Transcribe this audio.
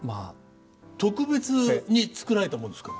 特別に作られたものですか？